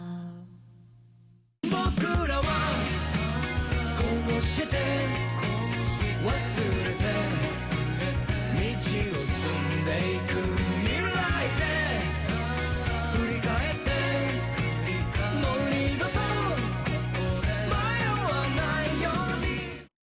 「僕らはこうして忘れて、道を進んでいく」「未来で振り返ってもう２度と迷わないように」